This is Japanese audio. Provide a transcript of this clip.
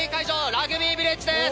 ラグビービレッジです。